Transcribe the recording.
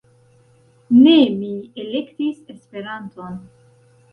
Ne mi elektis Esperanton.